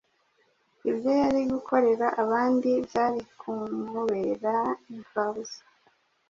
ibyo yari gukorera abandi byari kumubera imfabusa.